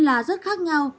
là rất khác nhau